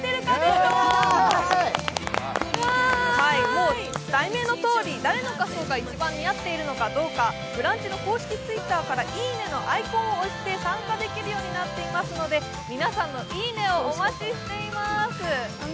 もう題名のとおり誰の仮装が一番似合っているか「ブランチ」の公式Ｔｗｉｔｔｅｒから「いいね」のアイコンを押して参加できるようになっていますので、皆さんの「いいね」をお待ちしています。